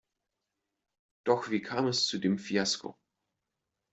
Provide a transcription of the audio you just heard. Doch wie kam es zu dem Fiasko?